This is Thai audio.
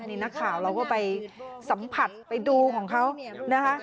นี่นักข่าวเราก็ไปสัมผัสไปดูของเขานะคะ